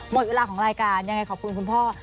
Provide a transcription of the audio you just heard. หมดเวลาของรายการยังไงขอบคุณคุณพ่อ